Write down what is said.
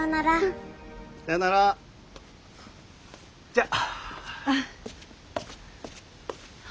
じゃあ。